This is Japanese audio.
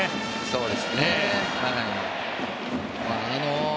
そうですね。